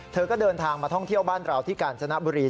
เธอก็เดินทางมาท่องเที่ยวบ้านเราที่กาญจนบุรี